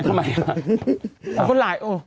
ทำไมครับ